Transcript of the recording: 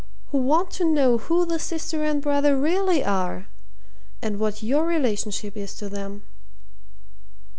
who want to know who the sister and brother really are and what your relationship is to them!"